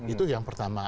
itu yang pertama